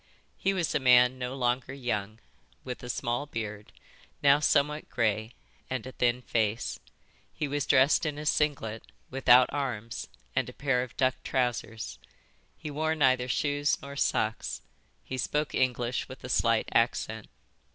He was a man no longer young, with a small beard, now somewhat grey, and a thin face. He was dressed in a singlet, without arms, and a pair of duck trousers. He wore neither shoes nor socks. He spoke English with a slight accent.